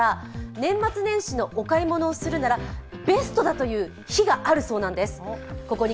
年末年始のお買い物をするならベストだという日があるそうなんです。